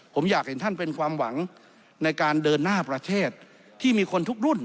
ผมอยากเห็นท่านเป็นความหวังในการเดินหน้าประเทศที่มีคนทุกรุ่น